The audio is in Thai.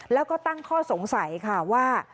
แล้วก็ตั้งข้อสงสัยค่ะว่า